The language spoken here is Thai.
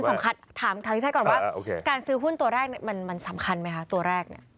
ถามทางพี่แพทย์ก่อนว่าการซื้อหุ้นตัวแรกมันสำคัญไหมคะตัวแรกเนี่ย